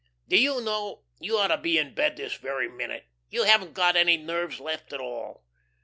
Do you know, you ought to be in bed this very minute. You haven't got any nerves left at all.